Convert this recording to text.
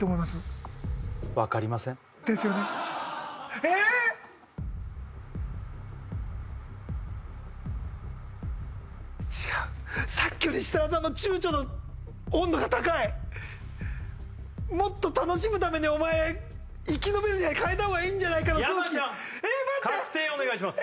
ええっ違うさっきより設楽さんの躊躇の温度が高いもっと楽しむために生き延びるには変えたほうがいいんじゃないかの空気確定お願いします